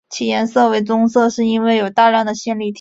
其颜色为棕色是因为有大量的线粒体。